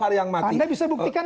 ada yang bisa buktikan